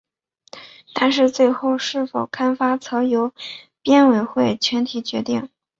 但是最后是否刊发则由编委会全体决定。